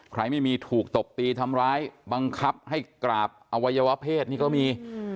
ไม่มีถูกตบตีทำร้ายบังคับให้กราบอวัยวะเพศนี่ก็มี